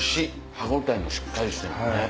歯応えもしっかりしてますね。